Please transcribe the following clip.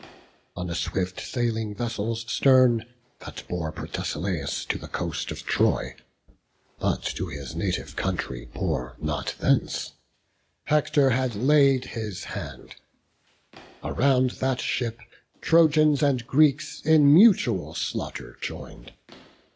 On a swift sailing vessel's stern, that bore Protesilaus to the coast of Troy, But to his native country bore not thence, Hector had laid his hand; around that ship Trojans and Greeks in mutual slaughter join'd.